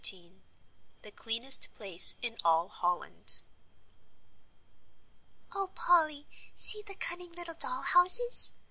XIII "THE CLEANEST PLACE IN ALL HOLLAND" "Oh, Polly, see the cunning little doll houses!"